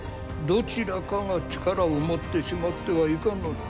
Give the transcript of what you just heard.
どちらかが力を持ってしまってはいかんのだ。